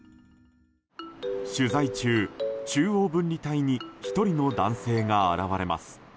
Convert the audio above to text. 取材中、中央分離帯に１人の男性が現れます。